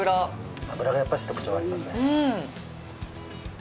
脂がやっぱし特徴がありますね。